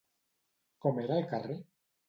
Com era el carrer?